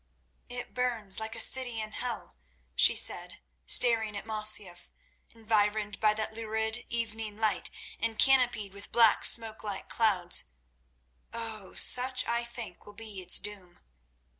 "It burns like a city in hell," she said, staring at Masyaf, environed by that lurid evening light and canopied with black, smoke like clouds. "Oh! such I think will be its doom."